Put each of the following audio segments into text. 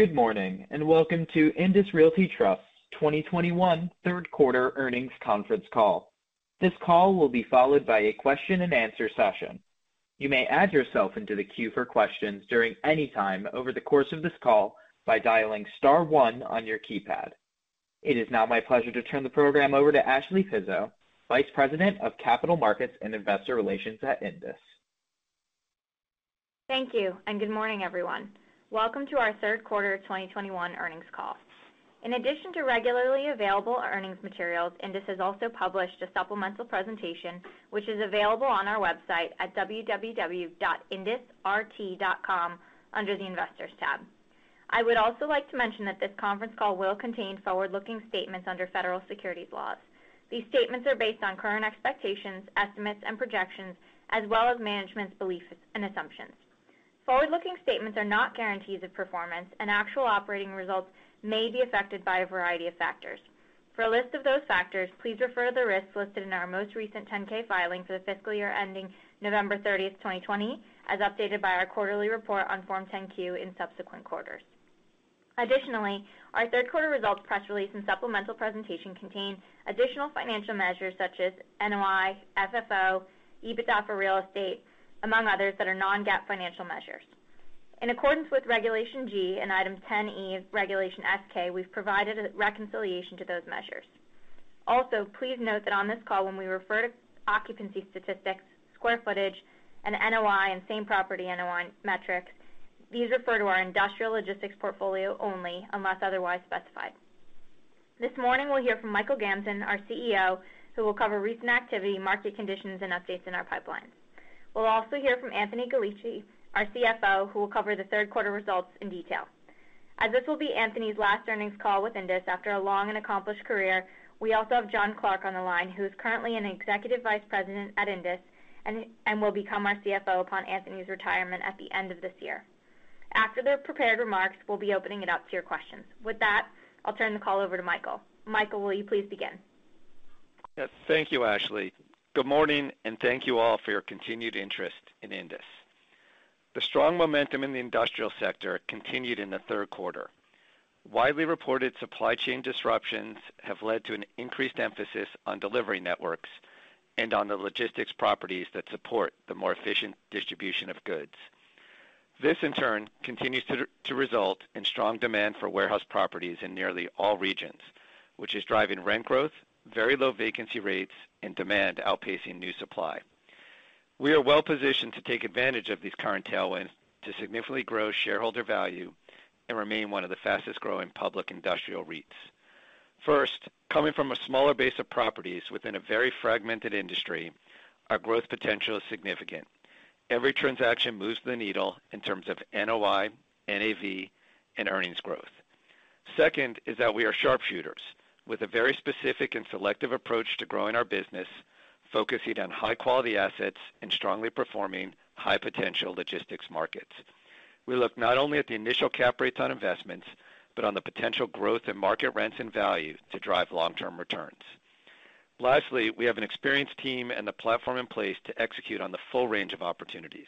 Good morning, and welcome to INDUS Realty Trust's 2021 third quarter earnings conference call. This call will be followed by a question and answer session. You may add yourself into the queue for questions during any time over the course of this call by dialing star one on your keypad. It is now my pleasure to turn the program over to Ashley Pizzo, Vice President of Capital Markets and Investor Relations at INDUS. Thank you, and good morning, everyone. Welcome to our third quarter of 2021 earnings call. In addition to regularly available earnings materials, INDUS has also published a supplemental presentation which is available on our website at www.indusrt.com under the Investors tab. I would also like to mention that this conference call will contain forward-looking statements under federal securities laws. These statements are based on current expectations, estimates, and projections, as well as management's beliefs and assumptions. Forward-looking statements are not guarantees of performance, and actual operating results may be affected by a variety of factors. For a list of those factors, please refer to the risks listed in our most recent 10-K filing for the fiscal year ending November 30, 2020, as updated by our quarterly report on Form 10-Q in subsequent quarters. Additionally, our third quarter results, press release, and supplemental presentation contain additional financial measures such as NOI, FFO, EBITDA for real estate, among others that are non-GAAP financial measures. In accordance with Regulation G and Item 10-E of Regulation S-K, we've provided a reconciliation to those measures. Also, please note that on this call when we refer to occupancy statistics, square footage, and NOI, and same-property NOI metrics, these refer to our industrial logistics portfolio only, unless otherwise specified. This morning we'll hear from Michael Gamzon, our CEO, who will cover recent activity, market conditions, and updates in our pipeline. We'll also hear from Anthony Galici, our CFO, who will cover the third quarter results in detail. As this will be Anthony's last earnings call with INDUS after a long and accomplished career, we also have Jon Clark on the line, who is currently an Executive Vice President at INDUS and will become our CFO upon Anthony's retirement at the end of this year. After their prepared remarks, we'll be opening it up to your questions. With that, I'll turn the call over to Michael. Michael, will you please begin? Yes, thank you, Ashley. Good morning, and thank you all for your continued interest in Indus. The strong momentum in the industrial sector continued in the third quarter. Widely reported supply chain disruptions have led to an increased emphasis on delivery networks and on the logistics properties that support the more efficient distribution of goods. This, in turn, continues to result in strong demand for warehouse properties in nearly all regions, which is driving rent growth, very low vacancy rates, and demand outpacing new supply. We are well positioned to take advantage of these current tailwinds to significantly grow shareholder value and remain one of the fastest growing public industrial REITs. First, coming from a smaller base of properties within a very fragmented industry, our growth potential is significant. Every transaction moves the needle in terms of NOI, NAV, and earnings growth. Second is that we are sharpshooters with a very specific and selective approach to growing our business, focusing on high quality assets and strongly performing high potential logistics markets. We look not only at the initial cap rates on investments, but on the potential growth in market rents and value to drive long-term returns. Lastly, we have an experienced team and the platform in place to execute on the full range of opportunities,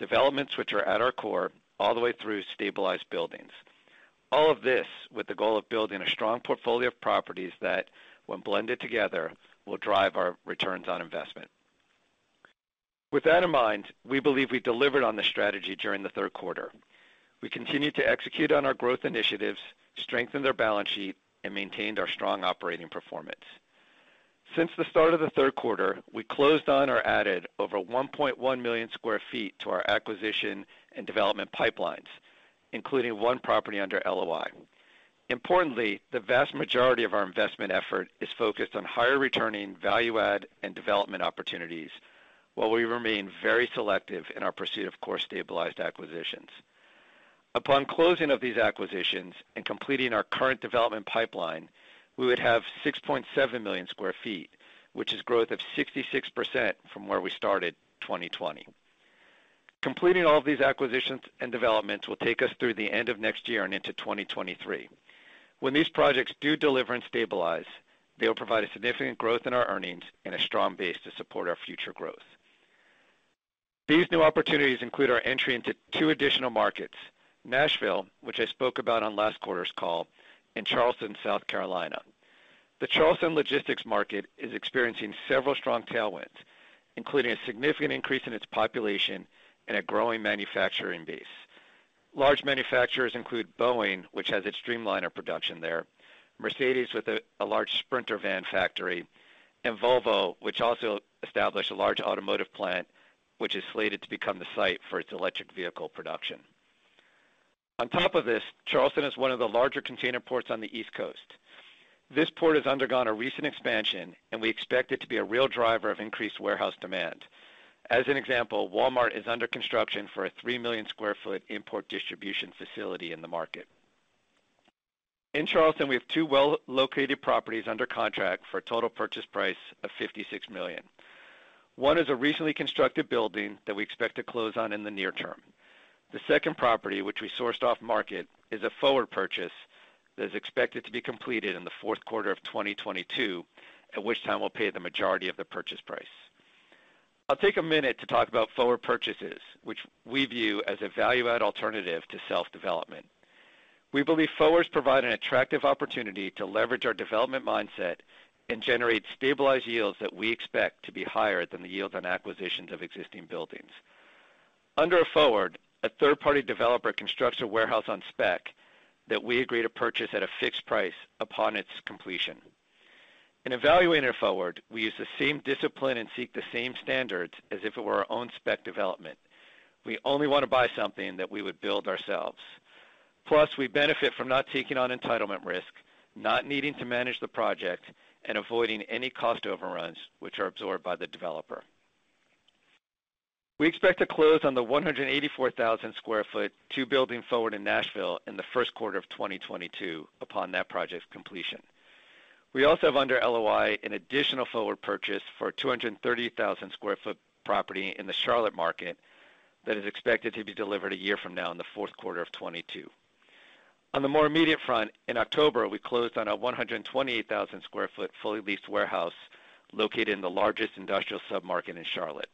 developments which are at our core all the way through stabilized buildings. All of this with the goal of building a strong portfolio of properties that, when blended together, will drive our returns on investment. With that in mind, we believe we delivered on the strategy during the third quarter. We continued to execute on our growth initiatives, strengthened our balance sheet, and maintained our strong operating performance. Since the start of the third quarter, we closed on or added over 1.1 million sq ft to our acquisition and development pipelines, including one property under LOI. Importantly, the vast majority of our investment effort is focused on higher returning value add and development opportunities while we remain very selective in our pursuit of core stabilized acquisitions. Upon closing of these acquisitions and completing our current development pipeline, we would have 6.7 million sq ft, which is growth of 66% from where we started 2020. Completing all of these acquisitions and developments will take us through the end of next year and into 2023. When these projects do deliver and stabilize, they will provide a significant growth in our earnings and a strong base to support our future growth. These new opportunities include our entry into two additional markets, Nashville, which I spoke about on last quarter's call, and Charleston, South Carolina. The Charleston logistics market is experiencing several strong tailwinds, including a significant increase in its population and a growing manufacturing base. Large manufacturers include Boeing, which has its Dreamliner production there, Mercedes with a large Sprinter van factory, and Volvo, which also established a large automotive plant, which is slated to become the site for its electric vehicle production. On top of this, Charleston is one of the larger container ports on the East Coast. This port has undergone a recent expansion, and we expect it to be a real driver of increased warehouse demand. As an example, Walmart is under construction for a 3 million sq ft import distribution facility in the market. In Charleston, we have two well-located properties under contract for a total purchase price of $56 million. One is a recently constructed building that we expect to close on in the near term. The second property, which we sourced off market, is a forward purchase that is expected to be completed in the fourth quarter of 2022, at which time we'll pay the majority of the purchase price. I'll take a minute to talk about forward purchases, which we view as a value-add alternative to self-development. We believe forwards provide an attractive opportunity to leverage our development mindset and generate stabilized yields that we expect to be higher than the yields on acquisitions of existing buildings. Under a forward, a third-party developer constructs a warehouse on spec that we agree to purchase at a fixed price upon its completion. In evaluating a forward, we use the same discipline and seek the same standards as if it were our own spec development. We only want to buy something that we would build ourselves. Plus, we benefit from not taking on entitlement risk, not needing to manage the project, and avoiding any cost overruns which are absorbed by the developer. We expect to close on the 184,000 sq ft, two-building forward in Nashville in the first quarter of 2022 upon that project's completion. We also have under LOI an additional forward purchase for a 230,000 sq ft property in the Charlotte market that is expected to be delivered a year from now in the fourth quarter of 2022. On the more immediate front, in October, we closed on a 128,000 sq ft fully leased warehouse located in the largest industrial sub-market in Charlotte.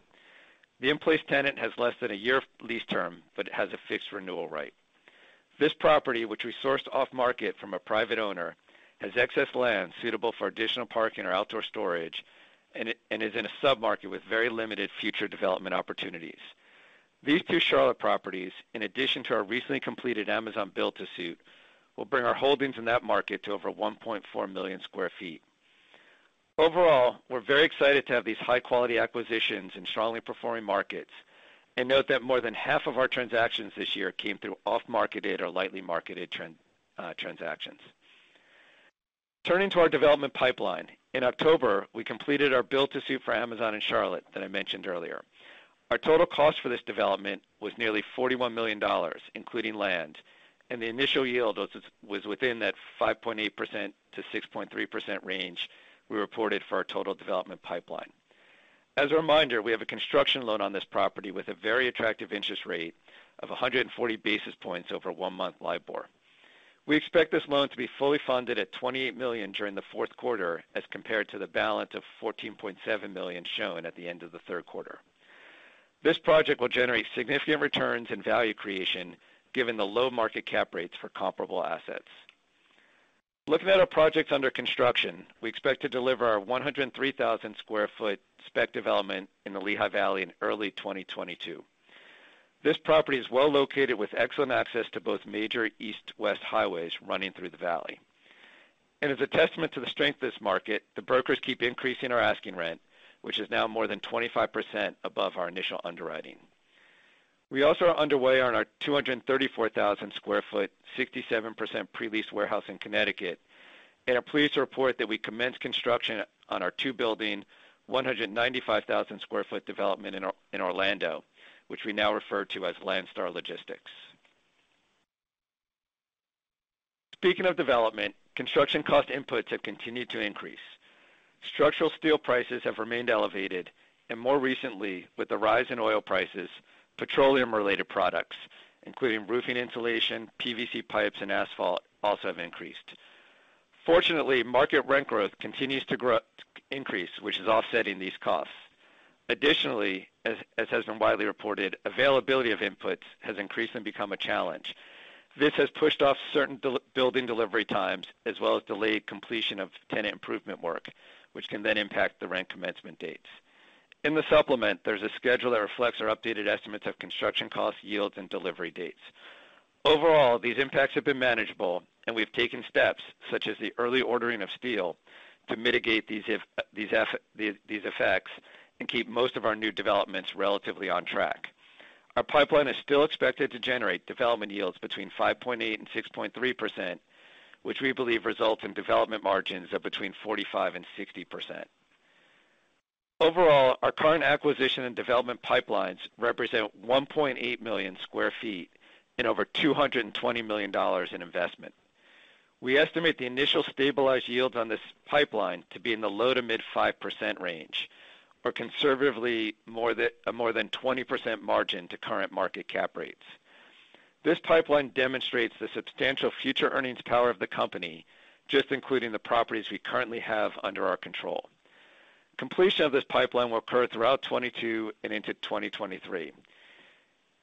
The in-place tenant has less than a year lease term, but it has a fixed renewal right. This property, which we sourced off market from a private owner, has excess land suitable for additional parking or outdoor storage and is in a sub-market with very limited future development opportunities. These two Charlotte properties, in addition to our recently completed Amazon build-to-suit, will bring our holdings in that market to over 1.4 million sq ft. Overall, we're very excited to have these high quality acquisitions in strongly performing markets and note that more than half of our transactions this year came through off-market deals or lightly marketed transactions. Turning to our development pipeline. In October, we completed our build to suit for Amazon in Charlotte that I mentioned earlier. Our total cost for this development was nearly $41 million, including land, and the initial yield was within that 5.8%-6.3% range we reported for our total development pipeline. As a reminder, we have a construction loan on this property with a very attractive interest rate of 140 basis points over one-month LIBOR. We expect this loan to be fully funded at $28 million during the fourth quarter as compared to the balance of $14.7 million shown at the end of the third quarter. This project will generate significant returns and value creation given the low market cap rates for comparable assets. Looking at our projects under construction, we expect to deliver our 103,000 sq ft spec development in the Lehigh Valley in early 2022. This property is well located with excellent access to both major east-west highways running through the valley. As a testament to the strength of this market, the brokers keep increasing our asking rent, which is now more than 25% above our initial underwriting. We also are underway on our 234,000 sq ft, 67% pre-leased warehouse in Connecticut, and are pleased to report that we commenced construction on our two-building, 195,000 sq ft development in Orlando, which we now refer to as Landstar Logistics. Speaking of development, construction cost inputs have continued to increase. Structural steel prices have remained elevated, and more recently, with the rise in oil prices, petroleum-related products, including roofing insulation, PVC pipes, and asphalt also have increased. Fortunately, market rent growth continues to increase, which is offsetting these costs. Additionally, as has been widely reported, availability of inputs has decreased and become a challenge. This has pushed off certain building delivery times as well as delayed completion of tenant improvement work, which can then impact the rent commencement dates. In the supplement, there's a schedule that reflects our updated estimates of construction costs, yields, and delivery dates. Overall, these impacts have been manageable, and we've taken steps such as the early ordering of steel to mitigate these effects and keep most of our new developments relatively on track. Our pipeline is still expected to generate development yields between 5.8%-6.3%, which we believe results in development margins of between 45%-60%. Overall, our current acquisition and development pipelines represent 1.8 million sq ft and over $220 million in investment. We estimate the initial stabilized yields on this pipeline to be in the low- to mid-5% range, or conservatively more than 20% margin to current market cap rates. This pipeline demonstrates the substantial future earnings power of the company, just including the properties we currently have under our control. Completion of this pipeline will occur throughout 2022 and into 2023.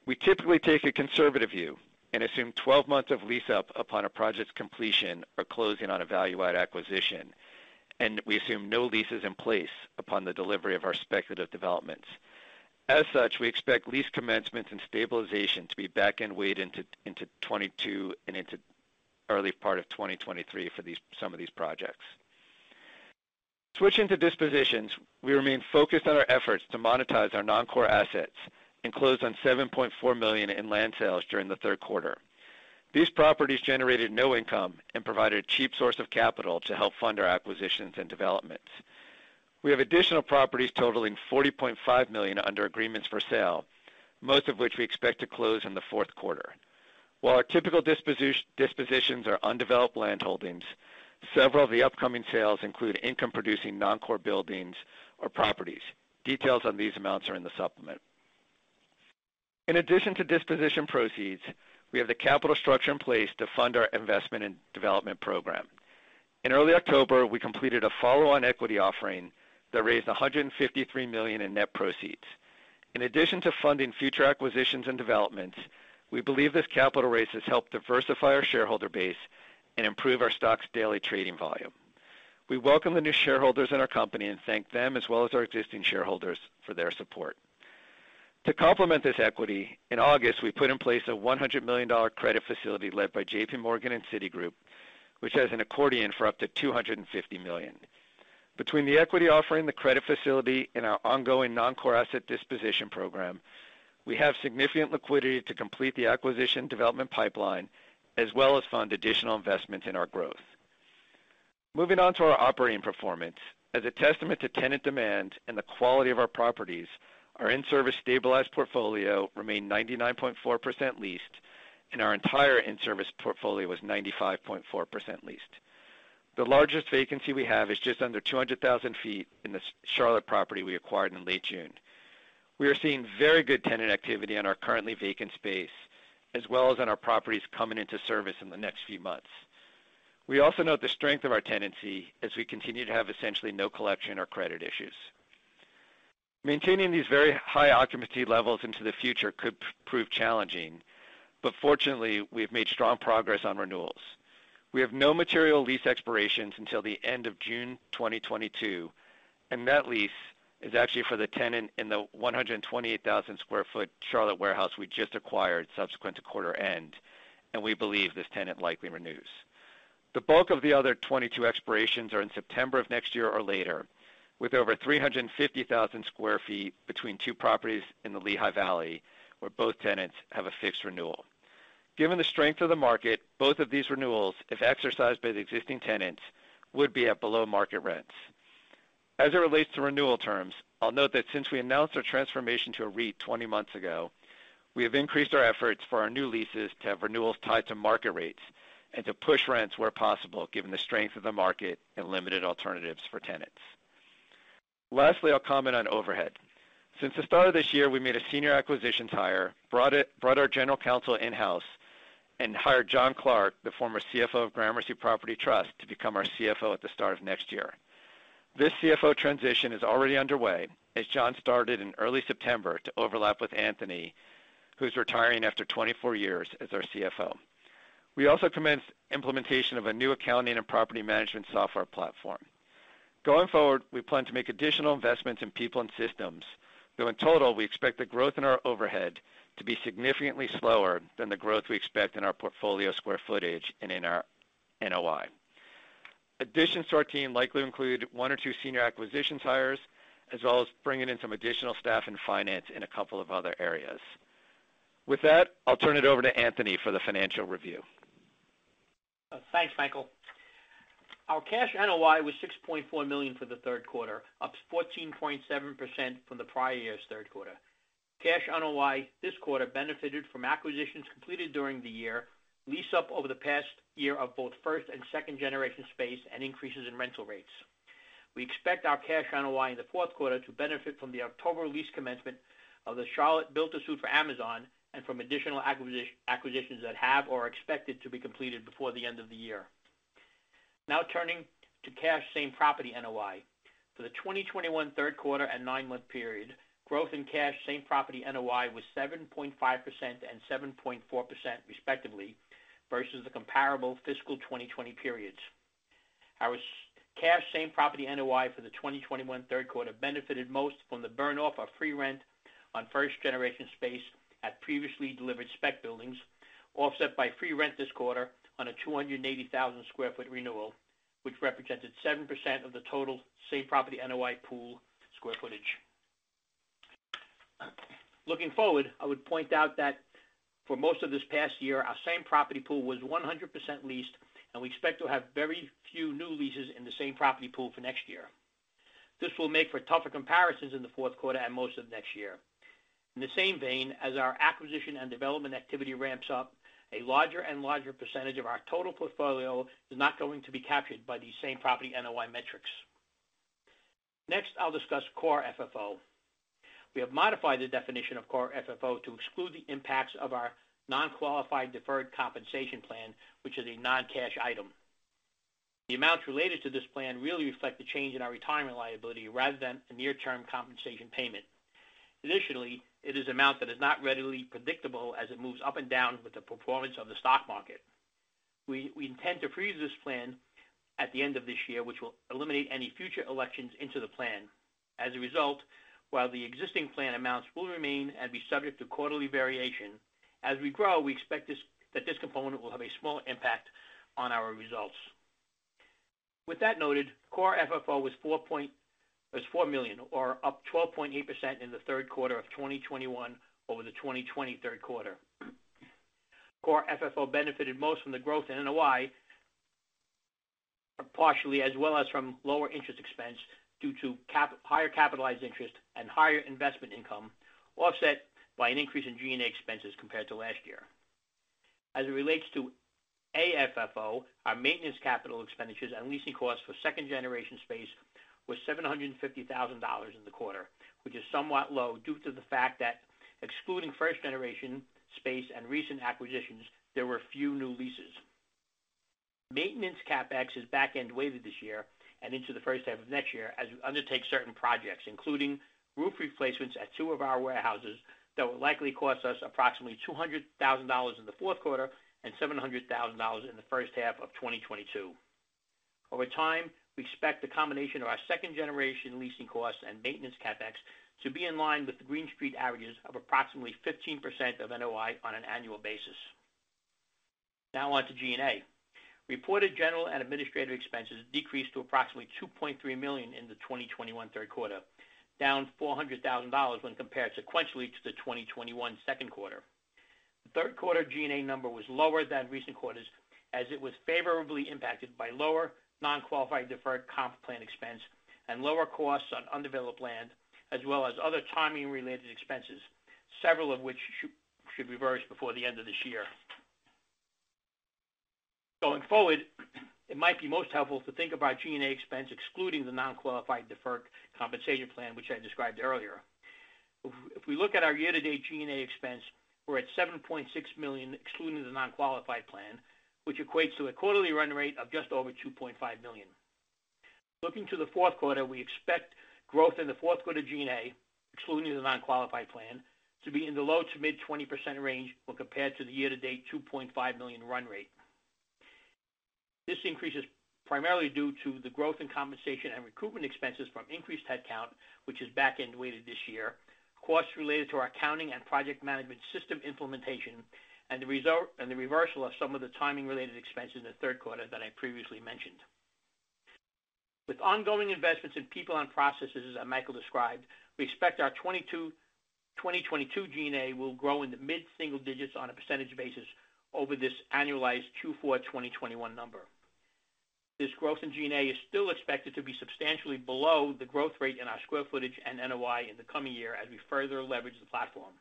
We typically take a conservative view and assume 12 months of lease up upon a project's completion or closing on a value-add acquisition, and we assume no leases in place upon the delivery of our speculative developments. As such, we expect lease commencements and stabilization to be back-end weighted into 2022 and into early part of 2023 for some of these projects. Switching to dispositions, we remain focused on our efforts to monetize our non-core assets and close on $7.4 million in land sales during the third quarter. These properties generated no income and provided a cheap source of capital to help fund our acquisitions and developments. We have additional properties totaling $40.5 million under agreements for sale, most of which we expect to close in the fourth quarter. While our typical dispositions are undeveloped landholdings, several of the upcoming sales include income-producing non-core buildings or properties. Details on these amounts are in the supplement. In addition to disposition proceeds, we have the capital structure in place to fund our investment and development program. In early October, we completed a follow-on equity offering that raised $153 million in net proceeds. In addition to funding future acquisitions and developments, we believe this capital raise has helped diversify our shareholder base and improve our stock's daily trading volume. We welcome the new shareholders in our company and thank them as well as our existing shareholders for their support. To complement this equity, in August, we put in place a $100 million credit facility led by JPMorgan and Citigroup, which has an accordion for up to $250 million. Between the equity offering, the credit facility, and our ongoing non-core asset disposition program, we have significant liquidity to complete the acquisition development pipeline, as well as fund additional investments in our growth. Moving on to our operating performance. As a testament to tenant demand and the quality of our properties, our in-service stabilized portfolio remained 99.4% leased, and our entire in-service portfolio was 95.4% leased. The largest vacancy we have is just under 200,000 sq ft in the South Charlotte property we acquired in late June. We are seeing very good tenant activity on our currently vacant space, as well as on our properties coming into service in the next few months. We also note the strength of our tenancy as we continue to have essentially no collection or credit issues. Maintaining these very high occupancy levels into the future could prove challenging, but fortunately, we have made strong progress on renewals. We have no material lease expirations until the end of June 2022, and that lease is actually for the tenant in the 128,000 sq ft Charlotte warehouse we just acquired subsequent to quarter end, and we believe this tenant likely renews. The bulk of the other 22 expirations are in September of next year or later, with over 350,000 sq ft between two properties in the Lehigh Valley, where both tenants have a fixed renewal. Given the strength of the market, both of these renewals, if exercised by the existing tenants, would be at below market rents. As it relates to renewal terms, I'll note that since we announced our transformation to a REIT 20 months ago, we have increased our efforts for our new leases to have renewals tied to market rates and to push rents where possible, given the strength of the market and limited alternatives for tenants. Lastly, I'll comment on overhead. Since the start of this year, we made a senior acquisitions hire, brought our general counsel in-house, and hired Jon Clark, the former CFO of Gramercy Property Trust, to become our CFO at the start of next year. This CFO transition is already underway as Jon started in early September to overlap with Anthony, who's retiring after 24 years as our CFO. We also commenced implementation of a new accounting and property management software platform. Going forward, we plan to make additional investments in people and systems, though in total, we expect the growth in our overhead to be significantly slower than the growth we expect in our portfolio square footage and in our NOI. Additions to our team likely include one or two senior acquisitions hires, as well as bringing in some additional staff in finance in a couple of other areas. With that, I'll turn it over to Anthony for the financial review. Thanks, Michael. Our cash NOI was $6.4 million for the third quarter, up 14.7% from the prior year's third quarter. Cash NOI this quarter benefited from acquisitions completed during the year, lease up over the past year of both first and second generation space, and increases in rental rates. We expect our cash NOI in the fourth quarter to benefit from the October lease commencement of the Charlotte build-to-suit for Amazon and from additional acquisitions that have or are expected to be completed before the end of the year. Now turning to cash same-property NOI. For the 2021 third quarter and nine-month period, growth in cash same-property NOI was 7.5% and 7.4% respectively versus the comparable fiscal 2020 periods. Our cash same-property NOI for the 2021 third quarter benefited most from the burn-off of free rent on first generation space at previously delivered spec buildings, offset by free rent this quarter on a 280,000 sq ft renewal, which represented 7% of the total same-property NOI pool square footage. Looking forward, I would point out that for most of this past year, our same-property pool was 100% leased, and we expect to have very few new leases in the same-property pool for next year. This will make for tougher comparisons in the fourth quarter and most of next year. In the same vein, as our acquisition and development activity ramps up, a larger and larger percentage of our total portfolio is not going to be captured by these same-property NOI metrics. Next, I'll discuss core FFO. We have modified the definition of core FFO to exclude the impacts of our non-qualified deferred compensation plan, which is a non-cash item. The amounts related to this plan really reflect the change in our retirement liability rather than a near-term compensation payment. Additionally, it is an amount that is not readily predictable as it moves up and down with the performance of the stock market. We intend to freeze this plan at the end of this year, which will eliminate any future elections into the plan. As a result, while the existing plan amounts will remain and be subject to quarterly variation, as we grow, we expect this component will have a small impact on our results. With that noted, core FFO was $4 million, or up 12.8% in the third quarter of 2021 over the 2020 third quarter. Core FFO benefited most from the growth in NOI, partially as well as from lower interest expense due to higher capitalized interest and higher investment income, offset by an increase in G&A expenses compared to last year. As it relates to AFFO, our maintenance capital expenditures and leasing costs for second generation space was $750,000 in the quarter, which is somewhat low due to the fact that excluding first generation space and recent acquisitions, there were few new leases. Maintenance CapEx is back end weighted this year and into the first half of next year as we undertake certain projects, including roof replacements at two of our warehouses that will likely cost us approximately $200,000 in the fourth quarter and $700,000 in the first half of 2022. Over time, we expect the combination of our second generation leasing costs and maintenance CapEx to be in line with the Green Street averages of approximately 15% of NOI on an annual basis. Now on to G&A. Reported general and administrative expenses decreased to approximately $2.3 million in the 2021 third quarter, down $400,000 when compared sequentially to the 2021 second quarter. The third quarter G&A number was lower than recent quarters as it was favorably impacted by lower non-qualified deferred comp plan expense and lower costs on undeveloped land, as well as other timing related expenses, several of which should reverse before the end of this year. Going forward, it might be most helpful to think about G&A expense excluding the non-qualified deferred compensation plan, which I described earlier. If we look at our year-to-date G&A expense, we're at $7.6 million, excluding the non-qualified plan, which equates to a quarterly run rate of just over $2.5 million. Looking to the fourth quarter, we expect growth in the fourth quarter G&A, excluding the non-qualified plan, to be in the low- to mid-20% range when compared to the year-to-date $2.5 million run rate. This increase is primarily due to the growth in compensation and recruitment expenses from increased headcount, which is back end weighted this year, costs related to our accounting and project management system implementation, and the reversal of some of the timing related expenses in the third quarter that I previously mentioned. With ongoing investments in people and processes, as Michael described, we expect our 2022 G&A will grow in the mid-single digits on a percentage basis over this annualized 2021 number. This growth in G&A is still expected to be substantially below the growth rate in our square footage and NOI in the coming year as we further leverage the platform.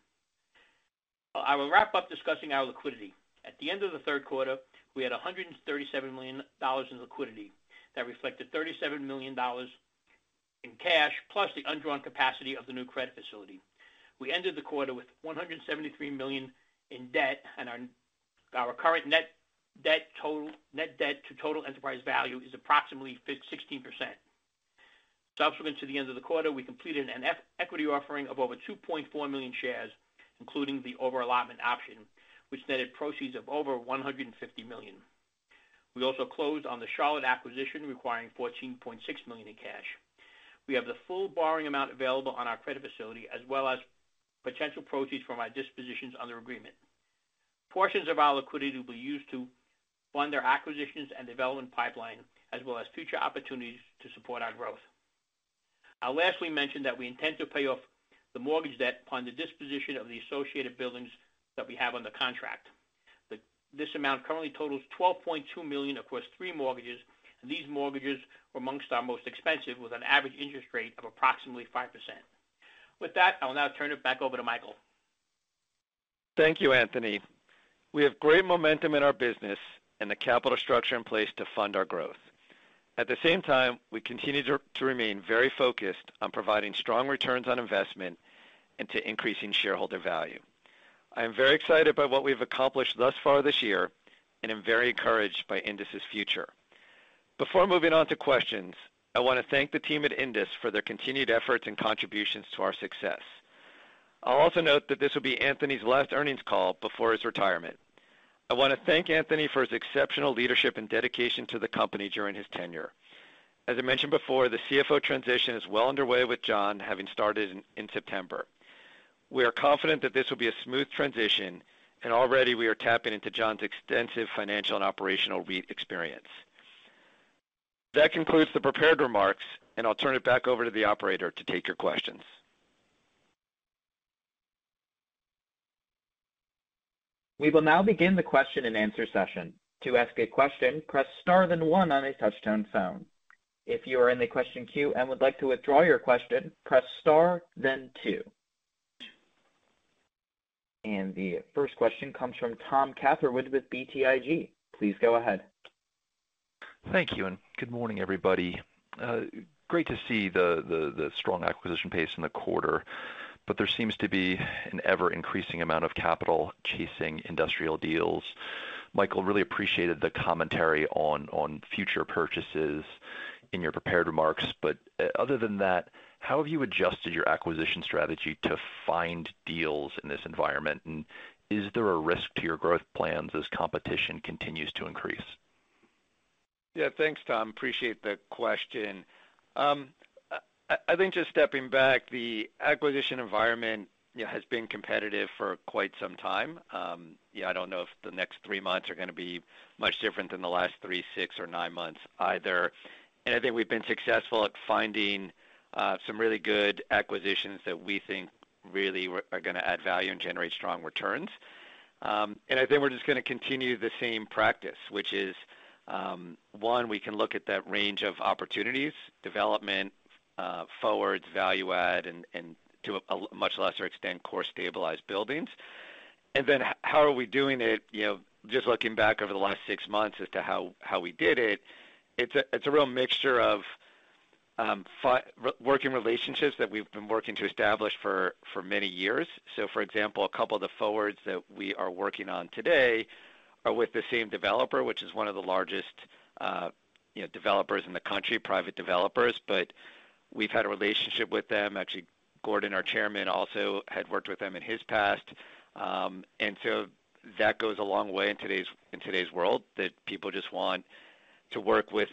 I will wrap up discussing our liquidity. At the end of the third quarter, we had $137 million in liquidity. That reflected $37 million in cash, plus the undrawn capacity of the new credit facility. We ended the quarter with $173 million in debt, and our current net debt to total enterprise value is approximately 16%. Subsequent to the end of the quarter, we completed an equity offering of over 2.4 million shares, including the over-allotment option, which netted proceeds of over $150 million. We also closed on the Charlotte acquisition, requiring $14.6 million in cash. We have the full borrowing amount available on our credit facility, as well as potential proceeds from our dispositions under agreement. Portions of our liquidity will be used to fund our acquisitions and development pipeline, as well as future opportunities to support our growth. I'll lastly mention that we intend to pay off the mortgage debt upon the disposition of the associated buildings that we have under contract. This amount currently totals $12.2 million across three mortgages, and these mortgages were amongst our most expensive, with an average interest rate of approximately 5%. With that, I will now turn it back over to Michael. Thank you, Anthony. We have great momentum in our business and the capital structure in place to fund our growth. At the same time, we continue to remain very focused on providing strong returns on investment and to increasing shareholder value. I am very excited by what we've accomplished thus far this year, and am very encouraged by INDUS' future. Before moving on to questions, I want to thank the team at INDUS for their continued efforts and contributions to our success. I'll also note that this will be Anthony's last earnings call before his retirement. I want to thank Anthony for his exceptional leadership and dedication to the company during his tenure. As I mentioned before, the CFO transition is well underway, with Jon having started in September. We are confident that this will be a smooth transition, and already we are tapping into Jon's extensive financial and operational REIT experience. That concludes the prepared remarks, and I'll turn it back over to the operator to take your questions. We will now begin the question and answer session. To ask a question, press star then one on a touch-tone phone. If you are in the question queue and would like to withdraw your question, press star then two. The first question comes from Tom Catherwood with BTIG. Please go ahead. Thank you, and good morning, everybody. Great to see the strong acquisition pace in the quarter. There seems to be an ever-increasing amount of capital chasing industrial deals. Michael, really appreciated the commentary on future purchases in your prepared remarks. Other than that, how have you adjusted your acquisition strategy to find deals in this environment? Is there a risk to your growth plans as competition continues to increase? Yeah. Thanks, Tom. Appreciate the question. I think just stepping back, the acquisition environment, you know, has been competitive for quite some time. You know, I don't know if the next three months are gonna be much different than the last three, six, or nine months either. I think we've been successful at finding some really good acquisitions that we think really are gonna add value and generate strong returns. I think we're just gonna continue the same practice, which is, one, we can look at that range of opportunities, development, forward value add and to a much lesser extent, core stabilized buildings. Then how are we doing it? You know, just looking back over the last six months as to how we did it. It's a real mixture of working relationships that we've been working to establish for many years. For example, a couple of the forwards that we are working on today are with the same developer, which is one of the largest developers in the country, private developers. We've had a relationship with them. Actually, Gordon, our Chairman, also had worked with them in his past. That goes a long way in today's world, that people just want to work with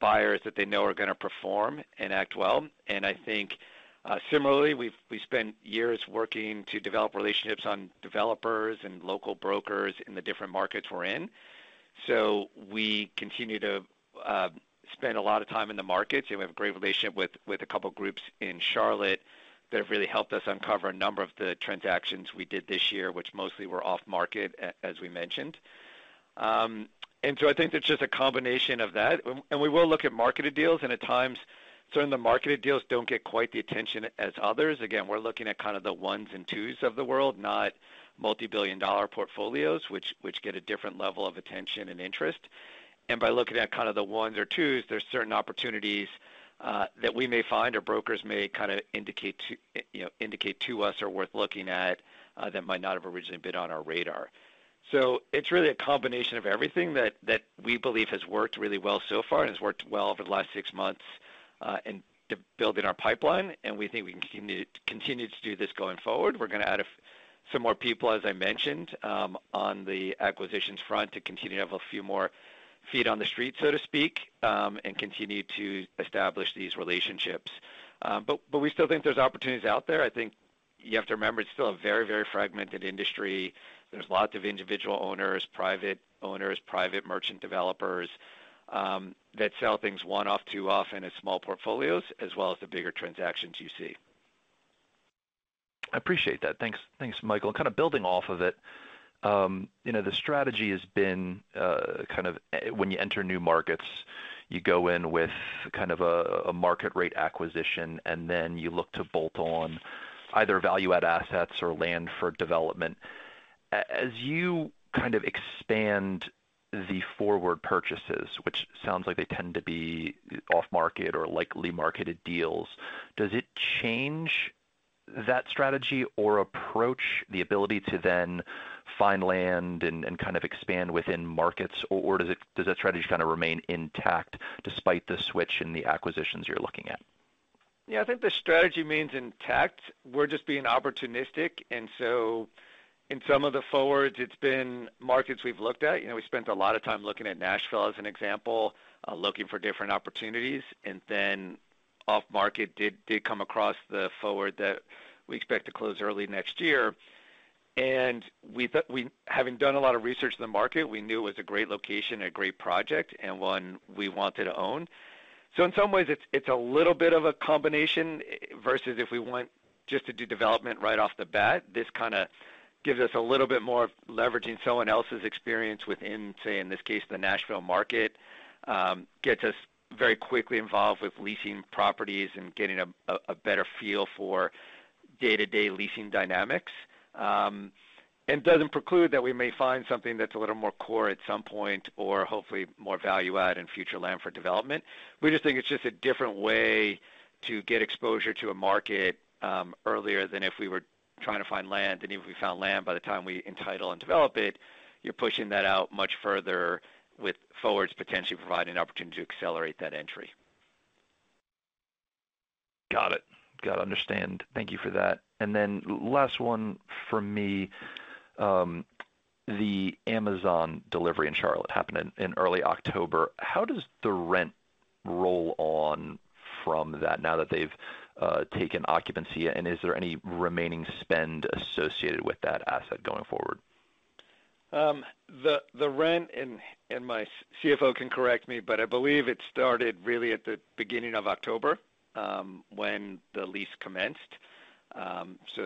buyers that they know are gonna perform and act well. I think, similarly, we spent years working to develop relationships with developers and local brokers in the different markets we're in. We continue to spend a lot of time in the markets, and we have a great relationship with a couple groups in Charlotte that have really helped us uncover a number of the transactions we did this year, which mostly were off-market, as we mentioned. I think it's just a combination of that. We will look at marketed deals, and at times, certain of the marketed deals don't get quite the attention as others. Again, we're looking at kind of the ones and twos of the world, not multi-billion-dollar portfolios, which get a different level of attention and interest. By looking at kind of the ones or twos, there's certain opportunities that we may find or brokers may kinda indicate to you know indicate to us are worth looking at that might not have originally been on our radar. It's really a combination of everything that we believe has worked really well so far and has worked well over the last six months in building our pipeline, and we think we can continue to do this going forward. We're gonna add some more people, as I mentioned, on the acquisitions front to continue to have a few more feet on the street, so to speak, and continue to establish these relationships. We still think there's opportunities out there. I think you have to remember it's still a very fragmented industry. There's lots of individual owners, private owners, private merchant developers that sell things one-off, two-off in small portfolios, as well as the bigger transactions you see. I appreciate that. Thanks. Thanks, Michael. Kind of building off of it, you know, the strategy has been kind of when you enter new markets, you go in with kind of a market rate acquisition, and then you look to bolt on either value add assets or land for development. As you kind of expand the forward purchases, which sounds like they tend to be off-market or lightly marketed deals, does it change that strategy or approach the ability to then find land and kind of expand within markets? Or does that strategy kind of remain intact despite the switch in the acquisitions you're looking at? Yeah. I think the strategy remains intact. We're just being opportunistic. In some of the markets we've looked at. You know, we spent a lot of time looking at Nashville as an example, looking for different opportunities. Off-market we did come across the property that we expect to close early next year. We, having done a lot of research in the market, knew it was a great location, a great project, and one we wanted to own. In some ways, it's a little bit of a combination versus if we want just to do development right off the bat. This kinda gives us a little bit more of leveraging someone else's experience within, say, in this case, the Nashville market, gets us very quickly involved with leasing properties and getting a better feel for day-to-day leasing dynamics. Doesn't preclude that we may find something that's a little more core at some point or hopefully more value add in future land for development. We just think it's just a different way to get exposure to a market, earlier than if we were trying to find land. Even if we found land, by the time we entitle and develop it, you're pushing that out much further with forwards potentially providing an opportunity to accelerate that entry. Got it. Understand. Thank you for that. Last one from me. The Amazon delivery in Charlotte happened in early October. How does the rent roll on from that now that they've taken occupancy? Is there any remaining spend associated with that asset going forward? The rent and my CFO can correct me, but I believe it started really at the beginning of October, when the lease commenced.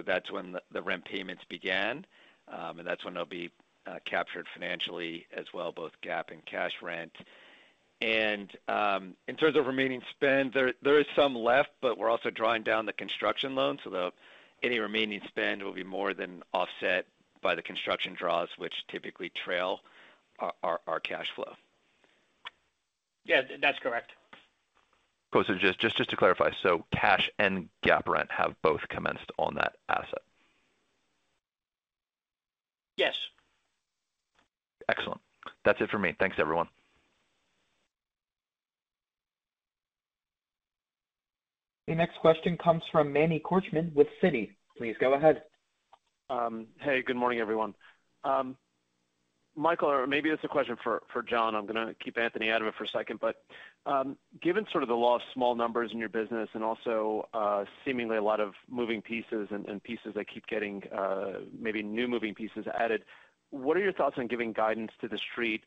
That's when the rent payments began. That's when they'll be captured financially as well, both GAAP and cash rent. In terms of remaining spend, there is some left, but we're also drawing down the construction loan, so any remaining spend will be more than offset by the construction draws, which typically trail our cash flow. Yeah, that's correct. Cool. Just to clarify, so cash and GAAP rent have both commenced on that asset? Yes. Excellent. That's it for me. Thanks, everyone. The next question comes from Manny Korchman with Citi. Please go ahead. Hey, good morning, everyone. Michael, or maybe this is a question for Jon. I'm gonna keep Anthony out of it for a second. Given sort of the law of small numbers in your business and also seemingly a lot of moving pieces and pieces that keep getting maybe new moving pieces added, what are your thoughts on giving guidance to the street?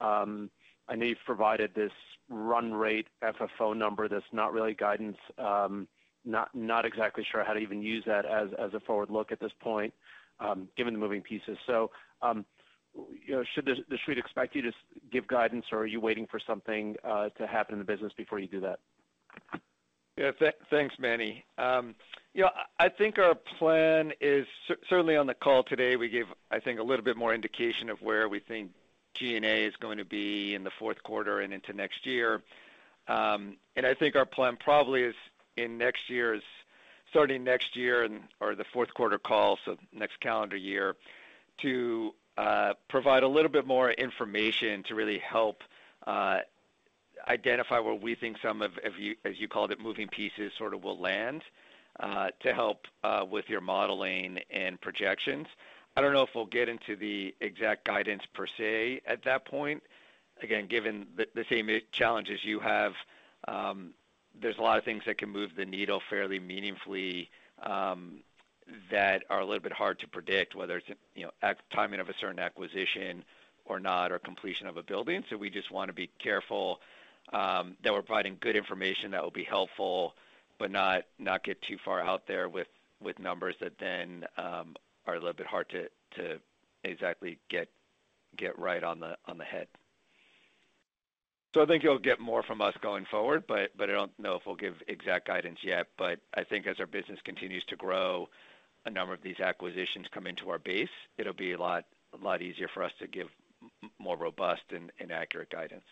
I know you've provided this run rate FFO number that's not really guidance, not exactly sure how to even use that as a forward look at this point, given the moving pieces. You know, should we expect you to give guidance, or are you waiting for something to happen in the business before you do that? Yeah. Thanks, Manny. You know, I think our plan is certainly on the call today, we gave, I think, a little bit more indication of where we think G&A is going to be in the fourth quarter and into next year. I think our plan probably is starting next year and or the fourth quarter call, so next calendar year, to provide a little bit more information to really help identify where we think some of, as you called it, moving pieces sort of will land, to help with your modeling and projections. I don't know if we'll get into the exact guidance per se at that point. Again, given the same challenges you have, there's a lot of things that can move the needle fairly meaningfully that are a little bit hard to predict, whether it's, you know, the timing of a certain acquisition or not, or completion of a building. We just wanna be careful that we're providing good information that will be helpful, but not get too far out there with numbers that then are a little bit hard to exactly get right on the head. I think you'll get more from us going forward, but I don't know if we'll give exact guidance yet. I think as our business continues to grow, a number of these acquisitions come into our base. It'll be a lot easier for us to give more robust and accurate guidance.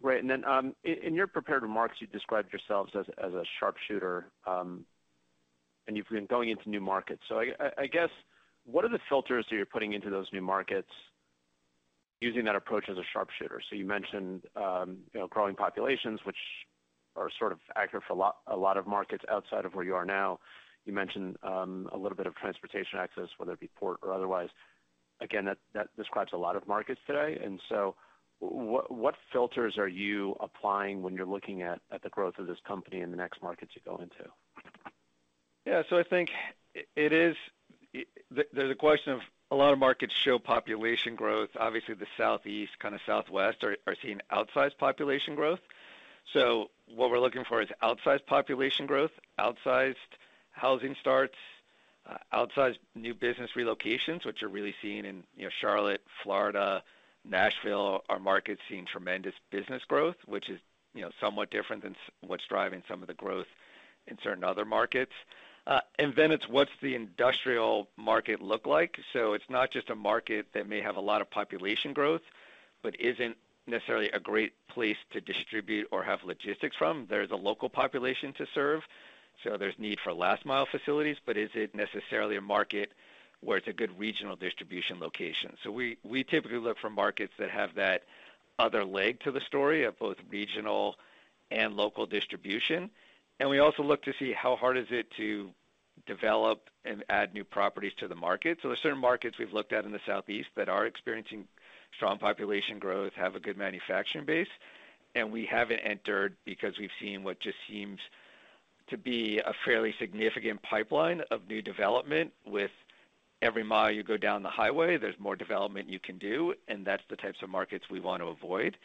Right. In your prepared remarks, you described yourselves as a sharpshooter, and you've been going into new markets. I guess, what are the filters that you're putting into those new markets using that approach as a sharpshooter? You mentioned, you know, growing populations, which are sort of accurate for a lot of markets outside of where you are now. You mentioned a little bit of transportation access, whether it be port or otherwise. Again, that describes a lot of markets today. What filters are you applying when you're looking at the growth of this company in the next markets you go into? Yeah. I think it is. There's a question of a lot of markets show population growth. Obviously, the Southeast, kind of Southwest are seeing outsized population growth. What we're looking for is outsized population growth, outsized housing starts, outsized new business relocations, which are really seen in, you know, Charlotte, Florida, Nashville, are markets seeing tremendous business growth, which is, you know, somewhat different than what's driving some of the growth in certain other markets. And then it's what's the industrial market look like. It's not just a market that may have a lot of population growth, but isn't necessarily a great place to distribute or have logistics from. There's a local population to serve, so there's need for last mile facilities, but is it necessarily a market where it's a good regional distribution location? We typically look for markets that have that other leg to the story of both regional and local distribution. We also look to see how hard is it to develop and add new properties to the market. There are certain markets we've looked at in the Southeast that are experiencing strong population growth, have a good manufacturing base, and we haven't entered because we've seen what just seems to be a fairly significant pipeline of new development. With every mile you go down the highway, there's more development you can do, and that's the types of markets we want to avoid.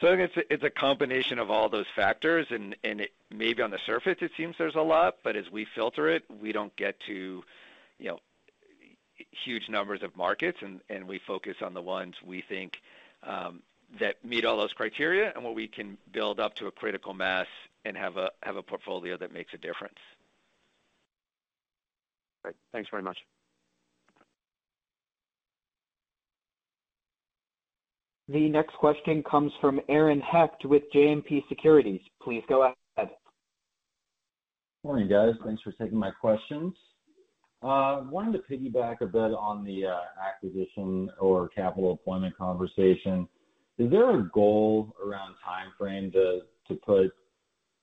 I think it's a combination of all those factors. It may be on the surface it seems there's a lot, but as we filter it, we don't get to, you know, huge numbers of markets and we focus on the ones we think that meet all those criteria and what we can build up to a critical mass and have a portfolio that makes a difference. Great. Thanks very much. The next question comes from Aaron Hecht with JMP Securities. Please go ahead. Morning, guys. Thanks for taking my questions. Wanted to piggyback a bit on the acquisition or capital deployment conversation. Is there a goal around timeframe to put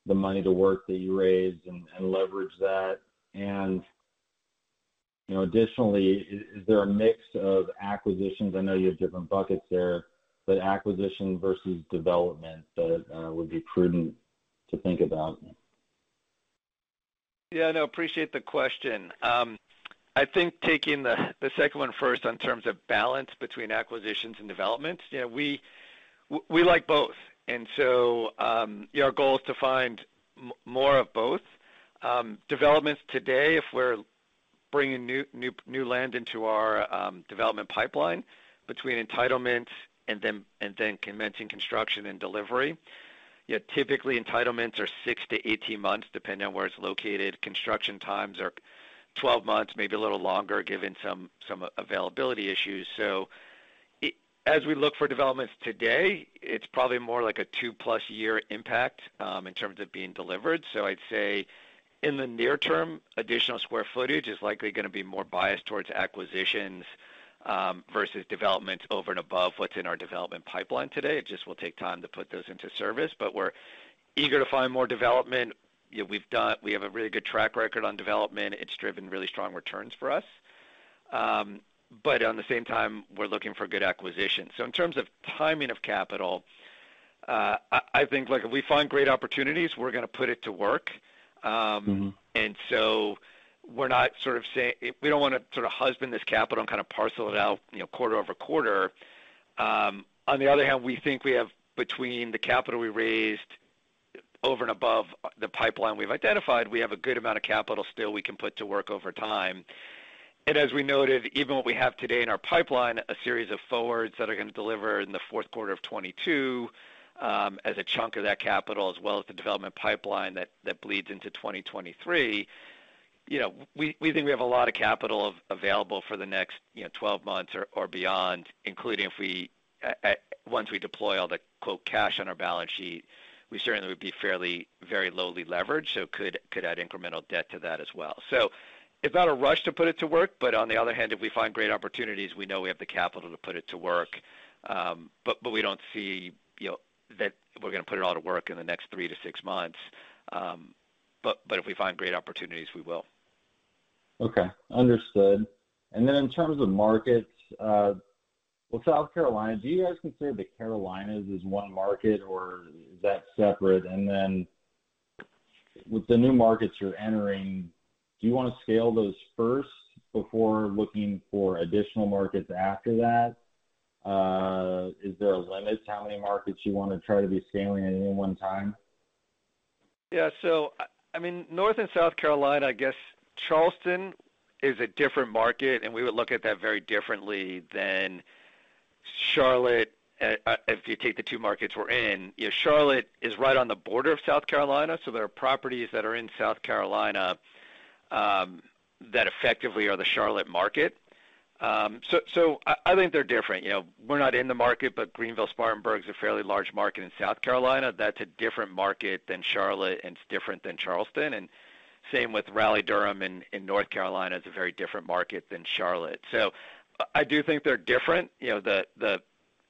the money to work that you raised and leverage that? You know, additionally, is there a mix of acquisitions? I know you have different buckets there, but acquisition versus development that would be prudent to think about. Yeah. No, appreciate the question. I think taking the second one first in terms of balance between acquisitions and development. Yeah, we like both, and so our goal is to find more of both. Developments today, if we're bringing new land into our development pipeline between entitlements and then commencing construction and delivery. Yet typically entitlements are six to 18 months, depending on where it's located. Construction times are 12 months, maybe a little longer, given some availability issues. As we look for developments today, it's probably more like a 2+ year impact in terms of being delivered. I'd say in the near term, additional square footage is likely gonna be more biased towards acquisitions versus developments over and above what's in our development pipeline today. It just will take time to put those into service. We're eager to find more development. You know, we have a really good track record on development. It's driven really strong returns for us. At the same time, we're looking for good acquisitions. In terms of timing of capital, I think, look, if we find great opportunities, we're gonna put it to work. We're not sort of. We don't wanna sort of husband this capital and kind of parcel it out, you know, quarter over quarter. On the other hand, we think we have between the capital we raised over and above the pipeline we've identified, a good amount of capital still we can put to work over time. As we noted, even what we have today in our pipeline, a series of forwards that are gonna deliver in the fourth quarter of 2022, as a chunk of that capital, as well as the development pipeline that bleeds into 2023. You know, we think we have a lot of capital available for the next, you know, 12 months or beyond, including once we deploy all the quote cash on our balance sheet, we certainly would be fairly very lowly leveraged, so could add incremental debt to that as well. It's not a rush to put it to work, but on the other hand, if we find great opportunities, we know we have the capital to put it to work. We don't see, you know, that we're gonna put it all to work in the next 3-6 months. If we find great opportunities, we will. Okay. Understood. Then in terms of markets, South Carolina, do you guys consider the Carolinas as one market, or is that separate? With the new markets you're entering, do you wanna scale those first before looking for additional markets after that? Is there a limit to how many markets you wanna try to be scaling at any one time? Yeah. I mean, North and South Carolina, I guess Charleston is a different market, and we would look at that very differently than Charlotte, if you take the two markets we're in. You know, Charlotte is right on the border of South Carolina, so there are properties that are in South Carolina, that effectively are the Charlotte market. So I think they're different. You know, we're not in the market, but Greenville-Spartanburg is a fairly large market in South Carolina. That's a different market than Charlotte, and it's different than Charleston. Same with Raleigh-Durham in North Carolina. It's a very different market than Charlotte. I do think they're different. You know, the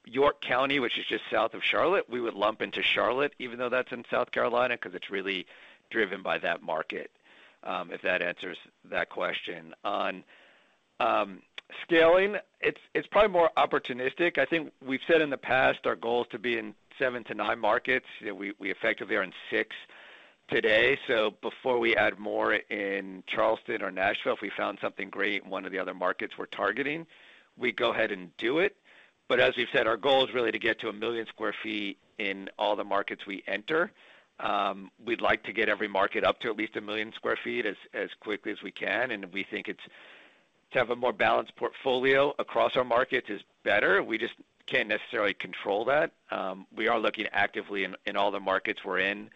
York County, which is just south of Charlotte, we would lump into Charlotte, even though that's in South Carolina, 'cause it's really driven by that market, if that answers that question. On scaling, it's probably more opportunistic. I think we've said in the past our goal is to be in seven to nine markets. You know, we effectively are in six today. Before we add more in Charleston or Nashville, if we found something great in one of the other markets we're targeting, we go ahead and do it. As we've said, our goal is really to get to 1 million sq ft in all the markets we enter. We'd like to get every market up to at least 1 million sq ft as quickly as we can, and we think it's To have a more balanced portfolio across our markets is better. We just can't necessarily control that. We are looking actively in all the markets we're in,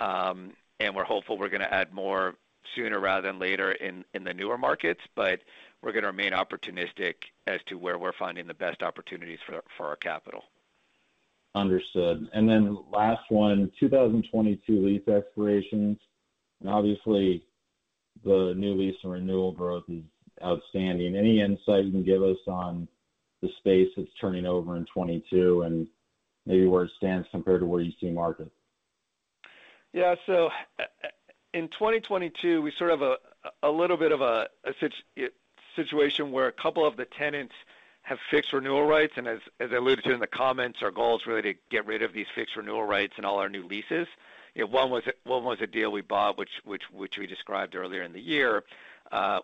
and we're hopeful we're gonna add more sooner rather than later in the newer markets. We're gonna remain opportunistic as to where we're finding the best opportunities for our capital. Understood. Last one, 2022 lease expirations, and obviously the new lease and renewal growth is outstanding. Any insight you can give us on the space that's turning over in 2022 and maybe where it stands compared to where you see market? Yeah. In 2022, we sort of a little bit of a situation where a couple of the tenants have fixed renewal rates. As I alluded to in the comments, our goal is really to get rid of these fixed renewal rates in all our new leases. You know, one was a deal we bought, which we described earlier in the year,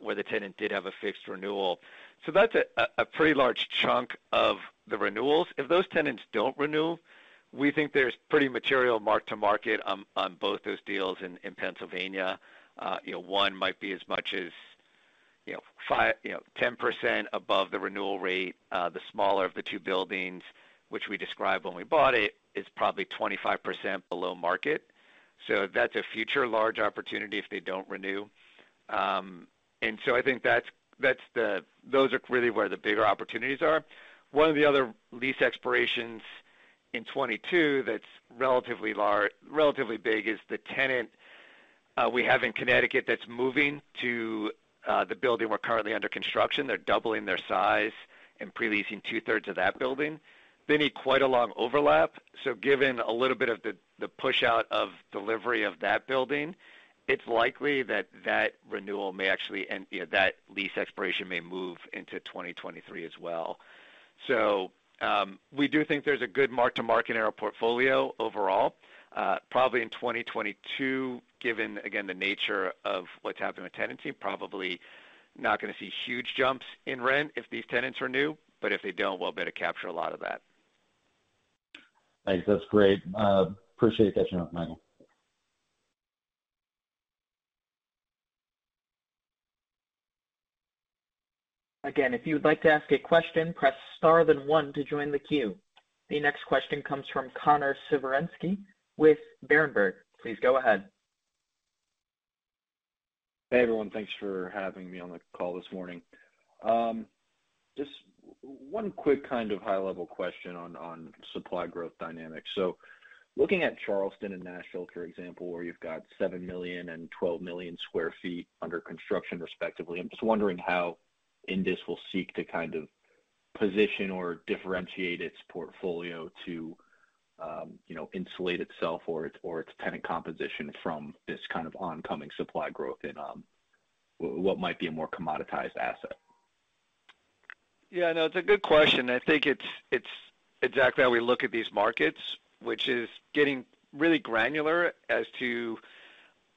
where the tenant did have a fixed renewal. That's a pretty large chunk of the renewals. If those tenants don't renew, we think there's pretty material mark-to-market on both those deals in Pennsylvania. You know, one might be as much as 5%-10% above the renewal rate. The smaller of the two buildings, which we described when we bought it, is probably 25% below market. That's a future large opportunity if they don't renew. I think that's the those are really where the bigger opportunities are. One of the other lease expirations in 2022 that's relatively large is the tenant we have in Connecticut that's moving to the building we're currently under construction. They're doubling their size and pre-leasing two-thirds of that building. They need quite a long overlap, so given a little bit of the push out of delivery of that building, it's likely that renewal may actually end, you know, that lease expiration may move into 2023 as well. We do think there's a good mark-to-market in our portfolio overall. Probably in 2022, given again the nature of what's happened with tenancy, probably not gonna see huge jumps in rent if these tenants renew, but if they don't, we'll be able to capture a lot of that. Thanks. That's great. I appreciate the update, Michael. Again, if you would like to ask a question, press star then one to join the queue. The next question comes from Connor Siversky with Berenberg. Please go ahead. Hey, everyone. Thanks for having me on the call this morning. Just one quick kind of high-level question on supply growth dynamics. Looking at Charleston and Nashville, for example, where you've got 7 million sq ft and 12 million sq ft under construction respectively, I'm just wondering how INDUS will seek to kind of position or differentiate its portfolio to, you know, insulate itself or its tenant composition from this kind of oncoming supply growth in what might be a more commoditized asset? Yeah, no, it's a good question. I think it's exactly how we look at these markets, which is getting really granular as to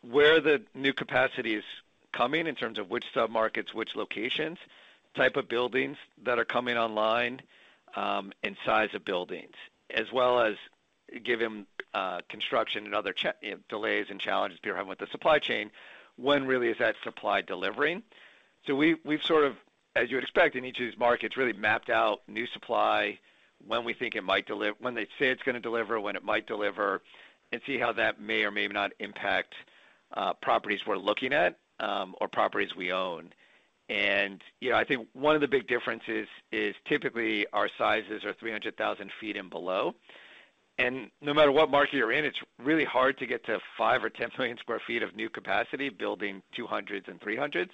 where the new capacity is coming in terms of which submarkets, which locations, type of buildings that are coming online, and size of buildings, as well as given construction and other, you know, delays and challenges people have with the supply chain, when really is that supply delivering. We've sort of, as you would expect in each of these markets, really mapped out new supply when they say it's gonna deliver, when it might deliver, and see how that may or may not impact properties we're looking at or properties we own. You know, I think one of the big differences is typically our sizes are 300,000 sq ft and below. No matter what market you're in, it's really hard to get to 5 million sq ft or 10 million sq ft of new capacity building, 200s and 300s.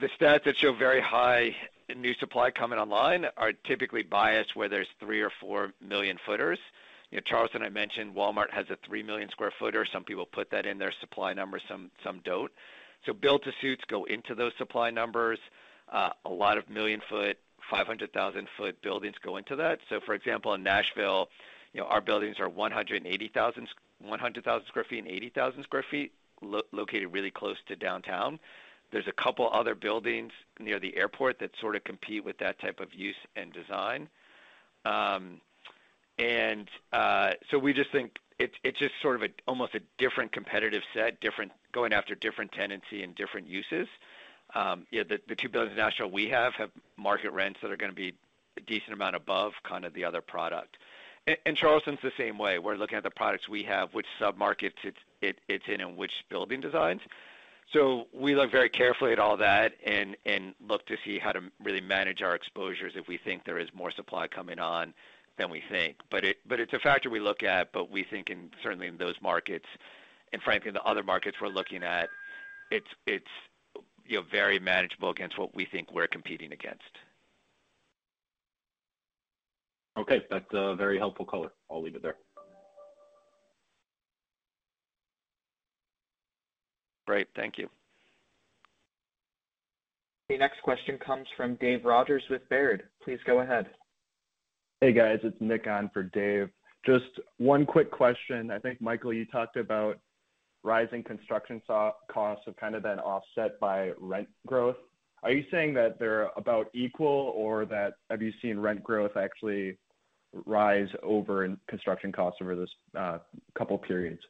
The stats that show very high new supply coming online are typically biased where there's 3 million sq ft or 4 million sq ft buildings. You know, Charleston, I mentioned Walmart has a 3 million sq ft building. Some people put that in their supply numbers, some don't. Build to suits go into those supply numbers. A lot of million sq ft, 500,000 sq ft buildings go into that. For example, in Nashville, you know, our buildings are 180,000 sq ft, 100,000 sq ft and 80,000 sq ft located really close to downtown. There's a couple other buildings near the airport that sort of compete with that type of use and design. We just think it's just sort of almost a different competitive set, different going after different tenancy and different uses. You know, the two buildings in Nashville we have have market rents that are gonna be a decent amount above kind of the other product. Charleston's the same way. We're looking at the products we have, which submarkets it's in and which building designs. We look very carefully at all that and look to see how to really manage our exposures if we think there is more supply coming on than we think. It's a factor we look at. We think certainly in those markets and frankly, in the other markets we're looking at, it's, you know, very manageable against what we think we're competing against. Okay, that's a very helpful color. I'll leave it there. Great. Thank you. The next question comes from Dave Rodgers with Baird. Please go ahead. Hey, guys, it's Nick on for Dave. Just one quick question. I think, Michael, you talked about rising construction costs have kind of been offset by rent growth. Are you saying that they're about equal or that have you seen rent growth actually rise over construction costs over this couple periods?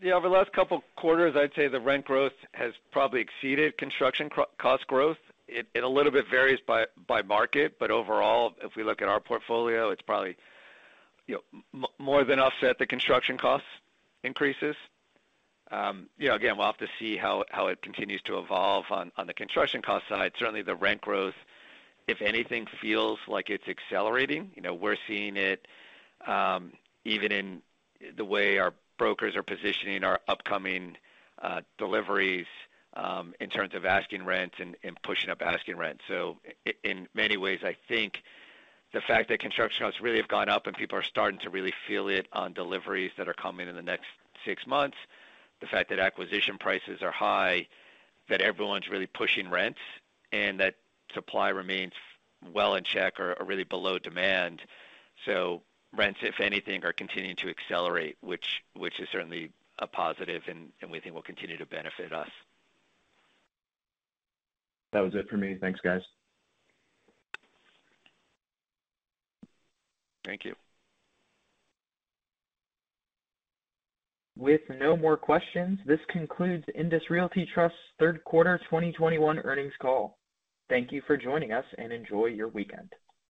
Yeah, over the last couple quarters, I'd say the rent growth has probably exceeded construction cost growth. It a little bit varies by market, but overall, if we look at our portfolio, it's probably, you know, more than offset the construction cost increases. You know, again, we'll have to see how it continues to evolve on the construction cost side. Certainly the rent growth, if anything, feels like it's accelerating. You know, we're seeing it even in the way our brokers are positioning our upcoming deliveries in terms of asking rents and pushing up asking rents. In many ways, I think the fact that construction costs really have gone up and people are starting to really feel it on deliveries that are coming in the next six months. The fact that acquisition prices are high, that everyone's really pushing rents and that supply remains well in check or really below demand. Rents, if anything, are continuing to accelerate, which is certainly a positive and we think will continue to benefit us. That was it for me. Thanks, guys. Thank you. With no more questions, this concludes INDUS Realty Trust's third quarter 2021 earnings call. Thank you for joining us, and enjoy your weekend.